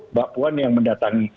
mbak puan yang mendatangi